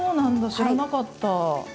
知らなかった。